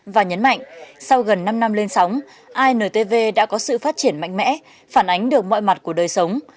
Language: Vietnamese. và nhấn mạnh sau gần năm năm lên sóng intv đã có sự phát triển mạnh mẽ phản ánh được mọi mặt của đời sống